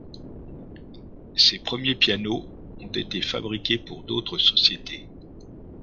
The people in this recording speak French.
Ses premiers pianos ont été fabriqués pour d'autres sociétés.